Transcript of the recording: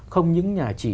không những chỉ